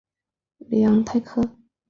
里昂泰克。